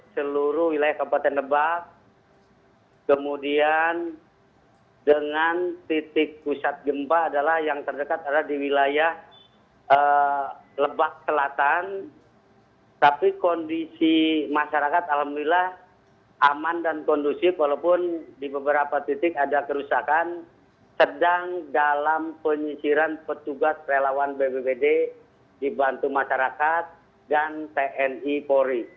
seluruh wilayah kabupaten lebak kemudian dengan titik pusat gempa adalah yang terdekat ada di wilayah lebak selatan tapi kondisi masyarakat alhamdulillah aman dan kondusif walaupun di beberapa titik ada kerusakan sedang dalam penyisiran petugas relawan bbbd dibantu masyarakat dan tni polri demikian